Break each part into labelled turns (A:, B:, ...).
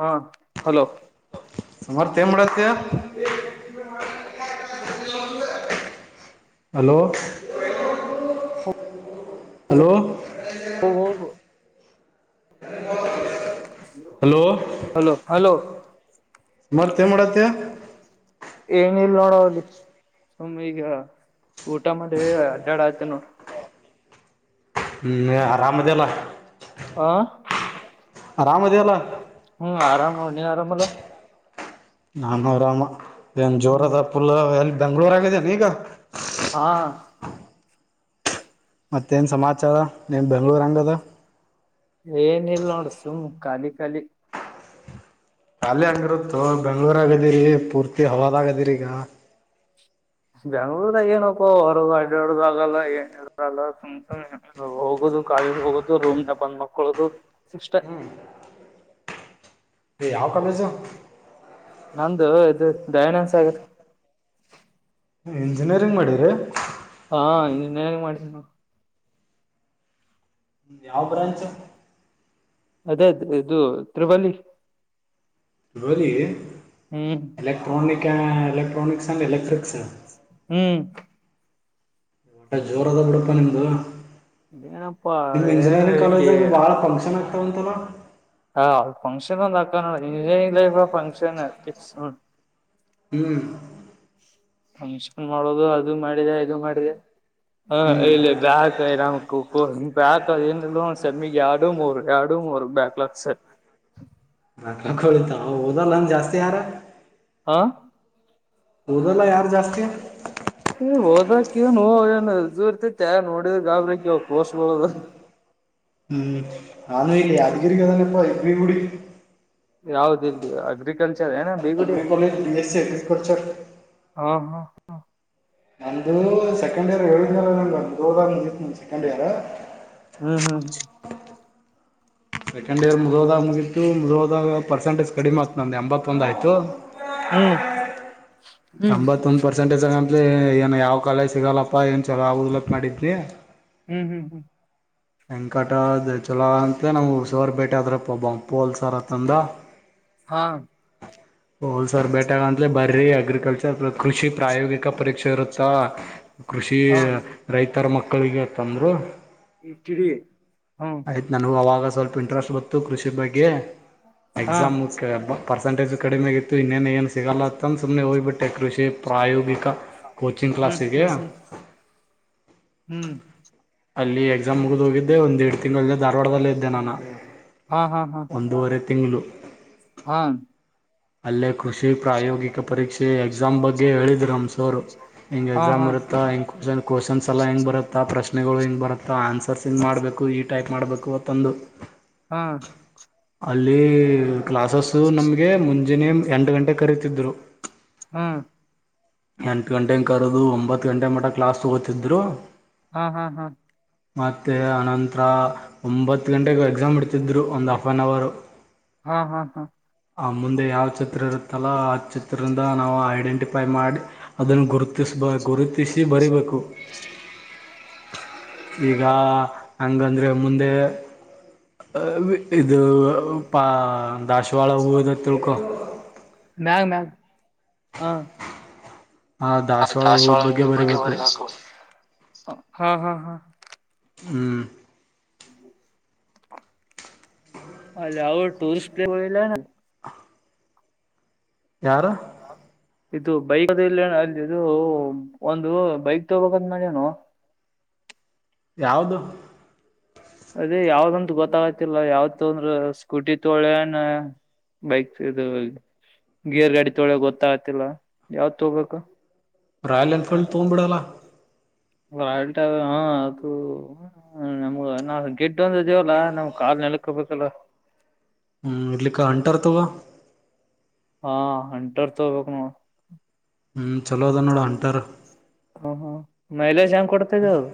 A: ಹಾ ಹಲೋ
B: ಸಮರ್ಥ ಏನ್ ಮಾಡತ್ತೀಯ
A: [unintelligible]
B: hello hello
A: ಹೋಗು
B: [unintelligible] ಹಲೋ
A: ಹಲೋ ಹಲೋ.
B: ಮತ್ ಏನ್ ಮಾಡತ್ತೆವ.
A: ಏನಿಲ್ಲ ನೋಡೋ ಡಿಸ್ ಸುಮ್ಮ್ ಈಗ ಊಟ ಮಾಡ ಅಡ್ಡಾಡ ಆಯ್ತ ನೋಡ.
B: ಹ್ಮ್ ಆರಾಮ ಅದಿಯಲ್ಲ.
A: ಹ
B: ಆರಾಮದೆಯಲ್ಲ
A: ಹ್ಮ್ ಆರಾಮ ಹ ನೀ ಅರಮಲ್ಲೊ.
B: ನಾನೂ ಆರಾಮ್ ಏನ್ ಜೋರ
A: ಹ್ಮ್
B: ಅದ ಪುಲ್ ಎಲ್ಲಿ ಬೆಂಗ್ಳೂರ್ ಅದಿ ಏನ್ ಈಗ.
A: ಹಾ
B: ಮತ್ತೇನು ಸಮಾಚಾರ ನಿಂದು ಬೆಂಗ್ಳೂರು ಹೆಂಗದ.
A: ಏನಿಲ್ಲ ನೋಡ್ ಸುಮ ಖಾಲಿ ಖಾಲಿ.
B: ಖಾಲಿ ಹಂಗಿರುತ್ತ ಬೆಂಗ್ಳೂರ್ ಆದಿರಿ ಪೂರ್ತಿ ಹವಾದಾಗದಿರಿ ಈಗ.
A: ಬೆಂಗಳೂರ್ ದಾಗ ಏನಪ್ಪೋ ಹೊರ ಅಡ್ಡಾಡೋದು ಆಗಲ್ಲ ಏನ ಇಲ್ಲ ಸುಮ್ ಸುಮ್ ಹೋಗ. ಕಾಲೇಜ್ ಹೋಗೋದು ರೂಮ್ ನ ಬಂದ್ ಮಕ್ಕೊಳೋದು ಈಸ್ಟ್.
B: ಯಾವ ಕಾಲೇಜ್.
A: ನಂದು ಇದು ದಯಾನಂದ ಸಾಗರ್.
B: ಇಂಜಿನಿಯರಿಂಗ್ ಮಾಡಿರಿ.
A: ಹಾ ಇಂಜಿನೀಯರಿಂಗ್ ಮಾಡಿವಿ ನೋಡ್.
B: ಯಾವ ಬ್ರಾಂಚ್.
A: ಅದೇ ಇದು ತ್ರಿಬಲ್ ಈ.
B: ಲೋ
A: ಹ್ಮ್
B: ಎಲೆಕ್ಟ್ರಾನಿಕ್ ಎಲೆಕ್ಟ್ರಾನಿಕ್ಸ್ ಅ್ಯಂಡ್ ಎಲೆಕ್ಟ್ರಿಕ್ಸ್.
A: ಹ್ಮ್
B: ಒಟ್ಟ ಜೋರ ಅದ ಬಿಡಪ್ಪಾ ನಿಮ್ದು.
A: ಏನಪ್ಪಾ
B: ನಿಮ್
A: ಏನ್
B: ಇಂಜಿನಿಯರಿಂಗ್ ಕಾಲೇಜ್
A: ಇಲ್ಲಿ
B: ದಾಗಾ ಬಾಳ ಫಂಕ್ಷನ್ ಆಗ್ತಾವಂತಲ್ಲ.
A: ಹ ಫಕ್ಷನ್ ಒಂದ ಆಗ್ತಾವ ಇಂಜಿನಿಯರಿಂಗ್ ಲೈಫ್ ಫಂಕ್ಷನ್ ಫಿಕ್ಸ್ ನೋಡ್.
B: ಹ್ಮ್
A: ಫಂಕ್ಷನ್ ಮಾಡೋದು ಅದು ಮಾಡಿದೆ ಇದು ಮಾಡಿದೆ. ಹ ಇಲ್ಲಿ ಬ್ಯಾಕ್ ಇರಾಮ ಕಕೋ ಬ್ಯಾಕ್ ಅ ಏನಿಲ್ಲ ಒಂದ್ ಸೆಮ್ಮಿಗೆ ಯಾಡು ಮೂರು ಯಾಡು [unintelligible]
B: [unintelligible] ಓದಲೇ ಜಾಸ್ತಿ ಯಾರ.
A: ಹಾ
B: ಓದಲ್ಲ ಯಾರು ಜಾಸ್ತಿ.
A: ಓದಕ ನೋ ಏನುೂ ಇರ್ತತೆ ನೋಡಿದ ಗಾಬರಿಕ್ಕೆ ಕೋಷಗಳದು
B: ಹ್ಮ್ ನಾನೂ ಇಲ್ಲ ಅಧಗರಿಗೆದನೆಪ್ಪ ಎಿ ಕೂಡಿ
A: ಯಾವ್ದ ಇಲ್ದು ಅಗ್ರಿಕಲ್ಚರ್ ಏನ ಬಿಗುಡಿ
B: ಗ್ರಿ ಕೇಜ್ ಬಿ ಎಸ್ ಸಿ ಎಗ್ರಿಕಲ್ಚರ್
A: ಹಾ ಹಾ
B: ನಮ್ದು ಸೆಕೆಂಡ್ ಇಯರ್ ಹೇಳಏೋ ನ ಸೆಕೆಂಡ್ ಇಯರ್
A: ಹ್ಮ್ ಹ್ಮ್
B: ಸೆಕೆಂಡ್ ಇಯರ್ ಮುಗೋದಾಗ ಮುಗಿತು ಮುಗೋದಾಗ ಪರ್ಸೆಂಟೇಜ ಕಡಿಮ ಆಗ್ತತ್ತು ಒಂದು ಎಂಬತ್ತೊಂದ ಆಯ್ತು
A: ಹ್ಮ್ ಹ್ಮ್
B: ಎಂಬತ್ತೊಂದು ಪರ್ಸೆಂಟೇಜ್ ಂದ ಏನ್ ಯಾವ ಕಾಲೇಜ್ ಸಿಗಲ್ಲಪ್ಪಾ ಏನ್ ಚಲೋ ಆಗೋುದಿಲ್ಲಪ್ಪ ನಡಿದ್ರಿ
A: ಹ್ಮ್ ಹ್ಮ್ ಹ್ಮ್
B: ವೆಂಕಟದ ಚಲ ಅಂತಲ ನಾವು ಸೋರ್ ಭೇಟೆ ಆದ್ರಪ್ಪ ಬ ಪೋಲ್ಸಾರ ತಂದ
A: ಹಾ
B: ಹಲ್ ಸರ್ ಬೇಟಾಗ ಅಂದಲ ಬರ್ರೀ ಅಗ್ರಿಕಲ್ಚರ್ ಕೃಷಿ ಪ್ರಾಯೋಗಿಕ ಪರೀಕ್ಷೆ ಇರುತ್ತಾ ಕೃಷಿ
A: ಹಾ
B: ರೈತರ ಮಕ್ಕಳಿಗೆ ತಂದ್ರು
A: ಇಟ್ಟಡಿ
B: ಆಯ್ತು ನನಗೆ ಅವಾಗ ಸ್ವಲ್ಪ ಇಂಟ್ರೆಸ್ಟ್ ಬತ್ತು ಕೃಷಿ ಬಗ್ಗೆ
A: ಹಾ
B: ಎಕ್ಸಾಮ್ಕ್ಕೆ ಬ ಪರ್ಸಂಟೇಜುಡಿೆಗತ್ತು ಇನ್ನೇ ಏನು ಸಿಗಲ್ಲತ್ತಂತ ಸು್ನೆ ಹೋಗ್ಬಟ್ಟು ಟೆ ಕೃಷಿ ಪ್ರಾಯೋಗಿಕ ಕೋಚಿಂಗ್
A: ಹ್ಮ್
B: ಕ್ಲಾಸ್ಿಗೆೆಯ
A: ಹ್ಮ್
B: ಎಕ್ಸಾಮ್ ಮುಗಿದು ಹೋಗಿದ್ದೆ ಒಂದು ಎರಡು ತಿಂಗಳಲ್ಲೇ ಧಾರವಾಡದಲ್ಲೇ ಇದ್ದೆ ನಾನು
A: ಹಾ ಹಾ ಹಾ
B: ಒಂದೂವರೆ ತಿಂಗಳು
A: ಹ್ಮ
B: ಅಲ್ಲೇ ಕೃಷಿ ಪ್ರಾಯೋಗಿಕ ಪರೀಕ್ಷೆ ಎಕ್ಸಾಮ್ ಬಗ್ಗೆ ಹೇಳಿದ್್ರಮ್ಸೋರು ಹೆಿಂಗ್
A: ಹಾ
B: ಎಕ್ಸಾಮ್
A: ಹಾ
B: ಇರುತ್ತ ಕ್ವಶನ್ಸ್ ಎಲ್ಲ ಹೆಂಗ ಬರುತ್ತ ಆ ಪ್ರಶ್ನೆಗಳು ಹೆಂಗ್ ಬರುತ್ತೆ ಅಥ ಆನ್ಸರ್ಸ್ ಇಿಂದ ಮಾಡಬೇಕು ಈ ಟೈಪ್ ಮಾಡಬೇಕು ತಂದು ಅಲ್ಲಿ ಕ್ಲಾಸಸ್ ನಮ್ಗೆ ಮುಂಜಿನೆ ಎಂಟು ಗಂಟೆ ಕರೀತಿದ್ರು
A: ಹಾ
B: ಎಂಟು ಗಂಟೆನ ಕರೆದು ಒಂಬತ್ತು ಗಂಟೆ ಮಠ ಕ್ಲಾಸ್ ತಗೋತಿದ್ದ್ರು
A: ಹಾ ಹಾ ಹಾ ಹಾ ಹಾ
B: ಮತ್ತು ಆನಂತರ ಒಂಬತ್ತು ಗಂಟೆೆಗೆ ಎಕ್ಸಾಮ್ ಇಡ್ತಿದ್ರು ಒಂದು ಹಫ್ ಆನ್ ಅವರು
A: ಹಾ ಹಾ ಹಾ
B: ಆ ಮುಂದೆ ಯಾವ್ ಚಿತ್ರ ಇರುತ್ತಲ್ಲ ಆ ಚಿತ್ರದಿಂದ ನಾವು ಐಡೆಂಟಿಫೈ ಉಪಾಯ ಮಾಡಿ ಅದನ್ನು ಗುರುತಿಸ್ಬ ಗುರುತಿಸಿ ಬರಿೀಬೇಕು ಈಗ ಹಂಗಂದ್ರೆ ಮುಂದೆ ಇದು ಪಾ ದಾಾಸವಾಳ ಹೂದ ತಿಳ್ಕೊ
A: ಮ್ಯಾಗ ಮ್ಯಾಗ ಹಾ
B: ಆ
A: ಹ
B: ಹೂದ
A: ದಾಸವಾಳ ಬಗ್ಗೆ ಮ
B: ಬರಿಬೇಕು
A: ಹಾಕುವ ಹ್ಮ್ ಹ್ಮ್ ಹ್ಮ
B: ಹ್ಮ್
A: ಹ್ಮ್ ಅಲ್ಲಿ ಯಾವ ಟುರಸ್ಟ್ ಪ್ ಬಲ್ಲ
B: ಯಾರು
A: ಇದು ಬೈಕ್ ಅಲ್ಲಿ ಇದು ಒಂದು ಬೈಕ್ ತಗಬೇಕಂದ ಮನು [unintelligible]
B: ಯಾವದು
A: ಅದೇ ಯಾವ್ದಂತ ಗೊತ್ತಾಗತಿಲ್ಲ ಯಾವತ್ ಅಂದ್ರ ಸ್ಕೂಟಿ ತೋಳಣ ಬೈಕ್ ಇದು ಗಿಯರ್ ಗಾಡಿ ತೊಳ ಗೊತ್ತಾಗತಿಲ್ಲ ಯಾವತ್ ಹೋಗ್ಬೇಕು
B: ರಾಯಲ್ ಎನ್ಫೀಲ್ಡ್ ತಗೊಂಡ್ಬಿಡಲ್ಲ
A: ಾಯಲ್ಟ ಹ ಅದು ನಮ್ಗ ಗೆಡ್ ಒಂದೇವಲ್ಲಾ ನಮ್ ಕಾಲ ನೆನಕೊಬೇಕಲ್ಲ
B: ಹ್ಮ್ ಇರ್ಲಿಕ್ಕ ಅಂಟಾರತವಾ
A: ಹಾ ಅಂಟರ್ ಚಬೇಕಕ್ ನ
B: ಹ್ಮ ಚಲೋದ ನೋಡಾ ಅಂಟರ್
A: ಹಾ ಹಾ ಮೈಲೇಜ್ ಹೆಂಗ್ ಕೊಡ್ತದೆ ಅದು.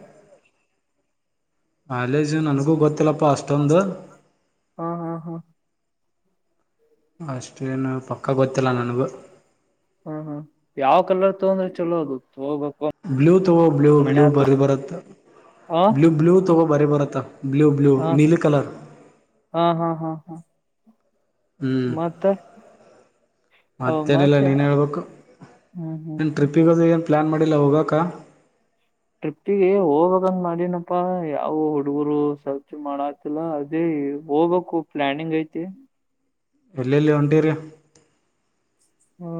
B: ಮೈಲೇಜು ನನಗೂ ಗೊತ್ತಿಲ್ಲಪ್ಪಾ ಅಷ್ಟೊಂದು.
A: ಹಾ ಹಾ ಹಾ
B: ಅಷ್ಟೇನು ಪಕ್ಕ ಗೊತ್ತಿಲ್ಲ ನನಗೂ.
A: ಹ್ಮ ಹ್ಮ ಯಾವ್ ಕಲರ್ ತೊಂದ್ರೇ ಚಲೋ ಅದು. ತಗೋಬೇಕು
B: ಬ್ಲೂ ತಗೊ ಬ್ಲೂ
A: ಮನೆ
B: ಬ್ಲೂ
A: ಆತು
B: ಬರಿ ಬರುತ್ತ.
A: ಆ
B: ಬ್ಲೂ ಬ್ಲೂ ತಗೊ ಬರಿ ಬರತ್ತ ಬ್ಲೂ ಬ್ಲೂ
A: ಹಾ
B: ನೀಲಿ ಕಲರ್.
A: ಹಾ ಹಾ ಹಾ. ಹಾ
B: ಹ್ಮ್
A: ಮತ್ತೆ. ಅವ
B: ಮತ್ತೇನಿಲ್ಲ ನೀನೇ ಹೇಳ್ಬೇಕು
A: ಹ್ಮ್ ಹ್ಮ್
B: ಏನ್
A: ಹ್ಮ್
B: ಟ್ರಿಪ್ಪಿಗೆೋದೇ ಏನ್ ಪ್ಲ್ಯಾನ್ ಮಾಡಿಲ್ಲ ಹೋಗಾಕ್ಕ.
A: ಟ್ರಿಪ್ಪಿಗೆ ಹೋಗ್ಬೇಕಂದ್ ಮಾಡೀನಪ್ಪಾ ಯಾವ ಹುಡುಗರು ಸರ್ಚ್ ಮಾಡಾತಿಲ್ಲ ಅದೇ. ದೇ ಹೋಗ್ಬೇಕು ಪ್ಲಾನಿಂಗ್ ಐತಿ.
B: ಎಲ್ಲೆಲ್ಲಿ ಹೊಂಟೀರಿ.
A: ಹಾ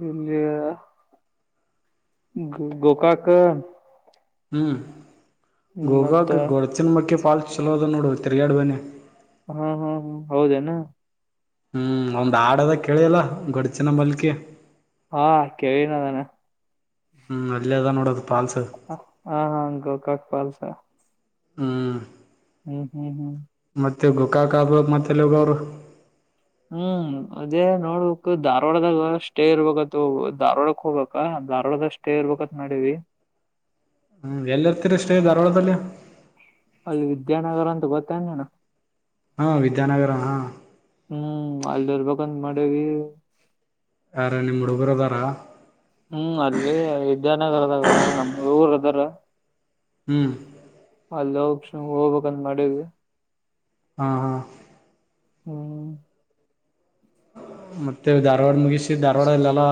A: ಡಿಲ್ಲಿ. ಗೋಕಾಕ
B: ಹ್ಮ್. ಗೋಕಾಕ್ ಗೊಡಚಿನಮಕ್ಕಿ ಫಾಲ್ಸ್ ಚಲೋದ ನೋಡು ತಿರುಗ್ಯಾಡ್ ಬನ್ನಿ.
A: ಹಾ ಹಾ ಹಾ ಹೌದೇನಾ.
B: ಹ್ಮ್ ಒಂದ್ ಹಾಡದ ಕೇಳಿಯಲ್ಲ ಗೊಡ್
A: ಹಾ ಕೇಳಿನ್ ಅದನ.
B: ಹ್ಮ್ ಅಲ್ಲೇ ಅದ ನೋಡದ.
A: ಹಾ ಹಾ ಗೋಕಾಕ್ ಫಾಲ್ಸ್.
B: ಹ್ಮ್.
A: ಹ್ಮ್ ಹ್ಮ್ ಹ್ಮ್.
B: ಮತ್ತೆ ಗೊಕಾಕ್ ಆದ್ ಮ್ಯಾಕ್ ಮತ್ತೆಲ್ಲೋಗೋರು.
A: ಹ್ಮ್ ಅದೇ ನೋಡ್ಬೇಕ್ ಧಾರವಾಡದಾಗ ಸ್ಟೇ ಇರ್ಬೇಕತು ಧಾರವಾಡಕ್ ಹೋಗಕ. ಧಾರವಾಡದಾಗ್ ಸ್ಟೇ ಇರ್ಬೇಕತ್ ಮಾಡೀವಿ.
B: ಹ್ಮ್ ಎಲ್ಲಿರ್ತೀರಾ ಸ್ಟೇ ಧಾರವಾಡದಲ್ಲಿ.
A: ಅಲ್ಲಿ ವಿದ್ಯಾನಗರ ಅಂತ ಗೊತ್ತ ನೀನು.
B: ಹಾ ವಿದ್ಯಾನಗರ ಹಾ.
A: ಅಲ್ಲಿರ್ಬೇಕಂತ್ ಮಾಡೀವಿ.
B: ಯಾರ ನಿಮ್ ಹುಡುಗರು ಅದಾರ.
A: ಹ್ಮ್ ಅಲ್ಲಿ ವಿದ್ಯಾನಗರದಾಗ ನಮ್ ಹುಡುಗುರ್ ಅದಾರ.
B: ಹ್ಮ್.
A: ಅಲ್ಲೋಗ್ [unintelligible] ಹೋಗ್ಬೇಕಂತ ಮಾಡಿದ್ವಿ.
B: ಹಾ ಹಾ.
A: ಹ್ಮ್.
B: ಮತ್ತೆ ಧಾರವಾಡ ಮುಗಿಸಿ ತ್ತೆ ಧಾರ್ವಾಡದಲ್ಲೆಲ್ಲ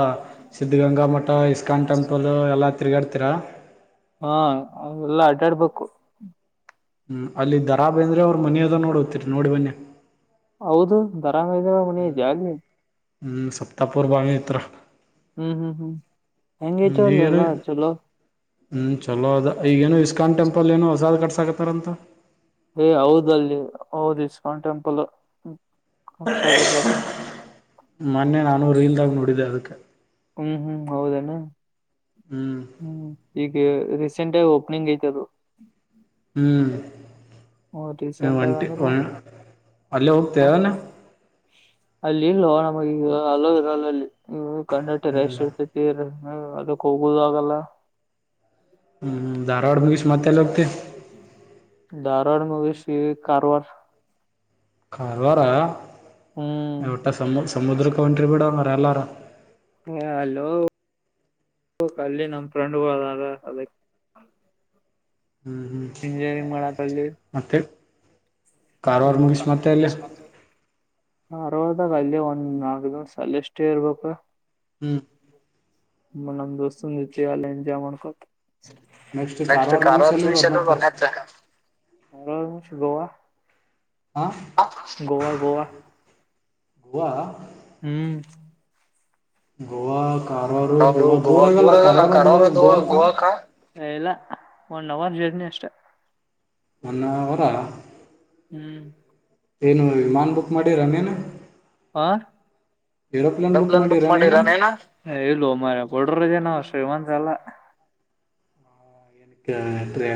B: ಸಿದ್ಧಗಂಗಾ ಮಠ ಇಸ್ಕಾನ್ ಟೆಂಪಲ್ ಎಲ್ಲಾ ತಿರ್ಗಾಡ್ತಿರ.
A: ಹಾ ಅವೆಲ್ಲಾ ಅಡ್ಯಾಡ್ಬೇಕು.
B: ಹ್ಮ್ ಅಲ್ಲಿ ದರಾ ಬೇಂದ್ರೆ ಅವ್ರ್ ಮನಿ ಅದ ನೋಡು ಹತರಿ ನೋಡಿ ಬನ್ನಿ.
A: ಹೌದು ದರಾ ಬೇಂದ್ರೆ ಅವ್ರ್ ಮನಿ ಇದಿಯಾ ಅಲ್ಲಿ.
B: ಹ್ಮ್ ಸಪ್ತಾಪುರ್ ಬಾವಿ ಹತ್ರ.
A: ಹ್ಮ್ ಹ್ಮ್ ಹ್ಮ್
B: ಹ್ಮ್
A: ಹೆಂಗೈತೋ
B: ಈಗೇನು
A: ನೀವೆಲ್ಲ ಚಲೋ.
B: ಹ್ಮ್ ಚಲೋ ಅದ ಈಗೇನೋ ಇಸ್ಕಾನ್ ಟೆಂಪಲ್ ಏನೋ ಹೊಸಾದ್ ಕಟ್ಸಕತಾರಂತ.
A: ಏ ಹೌದ್ ಅಲ್ಲಿ ಹೌದು ಇಸ್ಕಾನ್ ಟೆಂಪಲ್.
B: ಮೊನ್ನೆ ನಾನು ರೀಲ್ದಾಗ ನೋಡಿದ್ದೆ ಅದಕ್ಕ.
A: ಹ್ಮ್ ಹ್ಮ್ ಹೌದೇನಾ ಹ್ಮ್ ಟಿ ಕೆ ಹರಿ ಚಿಂಟ್ಯಾಗ್ ಓಪನಿಂಗೈತ್ ಅದು.
B: ಹ್ಮ್.
A: ರೀಸೆಂಟ್ ಆಗ
B: ಒಂಟಿ
A: ಅಂದ್ರ
B: ಅಲ್ಲೇ ಹೋಗ್ತೇವೆಾನ
A: ಅಲ್ಲಿ ಇಲ್ವಾ ನಮಗೆ ಈಗ ಅಲರಲ್ಲಲ್ಲಿ ಕರ್ನ್ನಟ
B: ಇಲ್ಲ
A: ರಷ್ಟತ ಹ ಅದು ಕೋೋ ಜಾಗಲ್ಲ
B: ಹ್ಮ್ ಧಾರವಾಡ ಮುಗಸ ಮತ್ತೆಲ್ಲ ಹೋಗ್ತಿ
A: ಧಾರವಾಡ ಮುವಿ ಸಿ ಕಾರವಾರ
B: ಕಾರವಾರ
A: ಹ್ಮ್
B: ಇಟ್ಟ ಸಮ ಸಮುದ್ರಕ್ಕೆ ಒಂಟ್ರಿ ಬಿಡನರ ಎಲ್ಲಾರ
A: ಹಾ ಹಲೋ ಅಲ್ಲಿ ನಮ ಫ್ರೆಂಡ್ ಅದಾರ ಅದಕ್ಕೆ
B: ಹ್ಮ್ ಹ್ಮ್
A: ಇಂಜಿನಿಯರಿಂಗ್ ಮಾಡಕಲ್ಲಿ
B: ಮತ್ತೆ ಕಾರವಾರ
A: ಹ್ಮ
B: ಮುಗಿಸಿ
A: ಹ
B: ಮತ್ತೆ ಅಲ್ಲೇ
A: ಇಾಗ ಅಲ್ಲಿೇ ಒಂದ್ ನಾಲ್ಕು ದಿವಸಲ್ಲ ಎಷ್ಟೇ ಇರ್ಬೇಕ
B: ಹ್ಮ್
A: ಮನಂದುೋಸ್ಂದು ಚಯಾಲ ಎಂಜಾಯ್ ಮಾಡ್ಕೊತ
B: ನೆಕ್ಸ್ಟ್
A: ನೆಕ್ಟ್
B: ಮುಗಿಸಿ
A: ಕಾರವಾರ
B: ಎಲ್ಲಿ ಹೋಗೋರ್
A: ನಿಮಿಷ
B: ಮತ್ತೆ
A: ಬರ್ತ ಅವರಷ ಗೋವಾ
B: ಹಾ
A: ಗೋವಾ ಗೋವಾ
B: ಗೋವಾ
A: ಹ್ಮ್
B: ಗೋವಾ ಕಾರವಾರ
A: ಕ
B: ಗೋವಾ
A: ಗೋ
B: ದೂರ ಆಗಲ್ಲ
A: ದೂರಲ್ಲ
B: ಕಾರವಾರ
A: ಕಡ
B: ಗೋವಾಕ
A: ಗೋವಾ ಒನ್ ಅವರ್ ಜರ್ನಿ ಅಷ್ಟೆ
B: ಮನ್ನ ಅವರ
A: ಹ್ಮ್
B: ಏನು ವಿಮಾನ ಬುಕ್ ಮಾಡಿರನೇನು
A: ಆ
B: ಏರೋಪ್ಲೇನ್ ಬುಕ್
A: ಬ್ ಮಾಡಲ್ಲ
B: ಮಾಡಿರನೇನು
A: ಅಮ ೇನ ಶ್ರೀ ಮಂದಲ್ಲ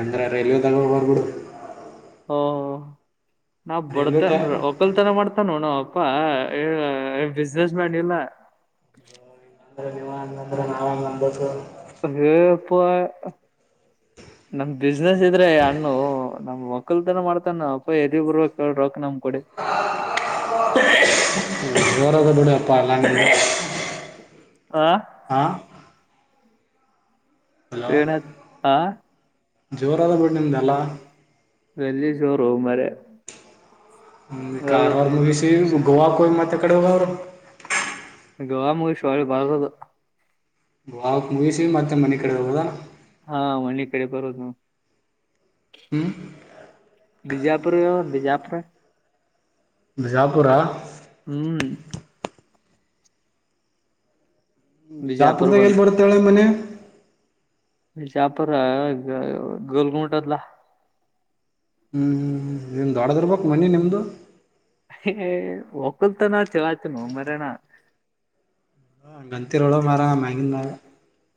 B: ಅಂದ್ರೆ ರೈಲ್ವೆ ತ ಬೂಡು
A: ಓ ನಾವ್
B: ರೈಲ್ವೆ ಟ
A: ಬಡತನ್ ಹೊಕಲ್ತನ ಮಾಡ್ತಾನ ನೋಣ ಅಪ್ಪಾ ಬಿಸ್ನೆಸ್ ಮ್ಯಾನ್ ಇಲ್ಲ
B: ಅ ನಿ ನಾಾವ ನಂಬ
A: ಅೇಪ್ಪ ನಮ ಬಿಸ್ನೆಸ್ ಇದ್ರೆ ಹಣ್ಣು ನಮ್ ಕ್ಕಲ್ತನ ಮಾಡ್ತಾನ ಅಪ್ಪ ಎದ ಬರ್ ಕ್ರೋಕ್ ನಮಕಡಿ
B: ಜೋರದ ಬಿಡ ಅಪ್ಪ ಎಲ್ಲಾ
A: ಹಾ
B: ಹಲೋ
A: ಏನ ಆ
B: ಜೋರದ ಬಟ್ದಲ್ಲ
A: ವಲ್ಲಿಯ ಚೋರು ಹೂ ಮರೆ
B: ಹ್ಮ ಕಾರವಾರ ಮುಗಿಸಿ ಗೋವಾಕ್ಕೆಯ ಮತ್ತೆ ಕಡೆ ಹೋಗ ಅವರು
A: ಗವಾ ಮುಗ ಶಿವಳಿ ಬರ್ತದು
B: ಗಫ ಮುವಿಷ ಮತ್ತ ಮನ್ನದ
A: ಹಾ ಮನಿ ಕಡೆ ಬಿಜಾಪುರ
B: ಹ್ಮ್
A: ಯ ಬಿಜಾಪುರ
B: ಬಿಜಾಪುರ
A: ಹ್ಮ್ ಬಿಜಾಪುರ
B: ಜಾಪದಾಗ ಎಲ್ಲಿ ಬರುತ್ತಾಳೆ ಮನೆ
A: ಮ ಚಾಪರ ಗ ಗಲಗಮಟದಲ
B: ಹ್ಮ್ ಹ್ಮ್್ಮ ನಿಮ್ ದೊಡ್ಡದರ್ಬಕ್ ಮನೆಿ ನಿಮ್ದು
A: ಒಕ್ಕಲ್ತಾನ ಚಲ ಆಯ್ತ ನ ಮರಣ
B: ಹ ಗಂತಿರೋಳ ಮಾರ ಮಗ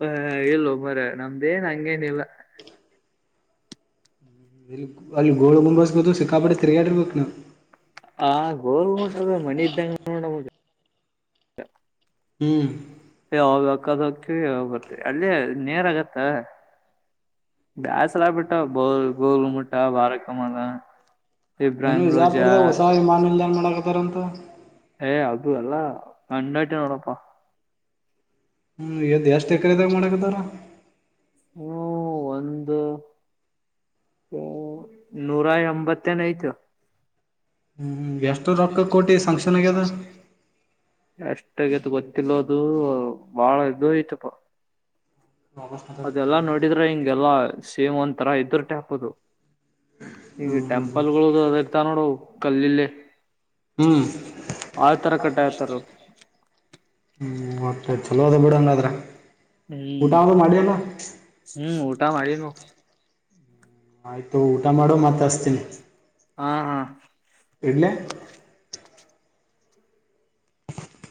A: ಹ ಇಲ್ಲ ಒ ಮರ ನಮ್ದೇನ್ ಹಂಗೇನಿಲ್ಲ
B: ಇಲ್ಲಿ ಅಲ್ಲಿ ಗೋಳ ಮುಂದಸ್ಬ ಸಿಕ್ಕಾಪಟ್ಟ ತಿರ್ಗಾಡಿರ್ಬೇಕು ನಾವು
A: ಆ ಗೋರ್ ಉಟದ ಮಣಿ ಇದ್ದಂಗ ನೋಡ ನಮ
B: ಹ್ಮ್
A: ಯಾವಾಗಕ್ಕದಕ್ಕೆ ಯಾವಾಗ ಬರ್ತರಿ ಅಲ್ಲಿ ನೇರ ಆಗತ್ತ ಬ್ಯಾಸಲಾ ಬಿಟ್ಟಾ ಬೋಲ್ ಗೋಲು ಮಟ್ಟಾ ವರಕಮದಾ
B: ಏನು ವಿಜಾಪುರದಾಗ ಹೊಸ ವಿಮಾನಲ್ಯಏನ್ ಮಾಡಕತ್ತಾರಂತ
A: ಏ ಅದು ಅಲ್ಲ ಕನ್ನಾಟ ನೋಡಪ
B: ಹ್ಮ್ ಎಷ್ಟು ಎಕರೆದಾಗ ಮಾಡಕದಾರ
A: ಹ್ಮ ಒಂದು ನೂರ ಎಂಬತ್ತೇನ ಐ್ತು
B: ಹ್ಮ್ ಎಷ್ಟು ರೊಕ್ಕ ಕೋಟಿ ಸಂಕ್ಷನ್ಗ್ಯದ
A: ಎಷ್ಟಾಗದು ಗೊತ್ತಿಲ್ಲೋದು ಬಾಳ ಇದ ಐತಪ ಅದೆಲ್ಲಾ ನೋಡಿದ್ರೆ ಹಿಂಗೆಲ್ಲಾ ಸೇಮ್ ಒತರಾ ಇದರುಟ್ಯಾಪದು ಹಿಂಗೆ
B: ಹ್ಮ್ ಹ್ಮ್
A: ಟೆಂಪಲ್ ಗಳು ಅದ ಇರ್ತ ನೋಡು ಕಲ್ಲಿಲ್ಲಿ
B: ಹ್ಮ್
A: ಆ ತರ ಕಟ್ಟಾಯ್ತಾರ
B: ಮತ್ತ ಚಲೋದ ಬಿಡಣದ್ರ
A: ಹ್ಮ್ ಹ್ಮ್ ಊಟಾ ಮಾಡಿಲ್ಲ
B: ಆಯ್ತು ಊಟ ಮಾಡೋ ಮತ್ತ ಅಸ್ತೀನಿ
A: ಹಾ ಹಾ
B: ಇಡ್ಲ್ಲ